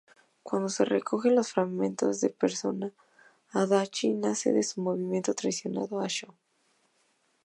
Cuando se recogen los fragmentos de Persona, Adachi hace su movimiento, traicionando a Sho.